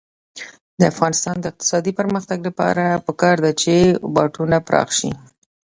د افغانستان د اقتصادي پرمختګ لپاره پکار ده چې واټونه پراخ شي.